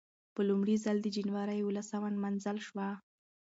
په لومړي ځل د جنورۍ یولسمه نمانځل شوه.